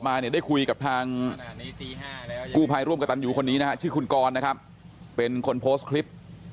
เนี่ยได้คุยกับทางกู้ภัยร่วมกับตันยูคนนี้นะฮะชื่อคุณกรนะครับเป็นคนโพสต์คลิป